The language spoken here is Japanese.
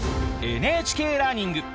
「ＮＨＫラーニング」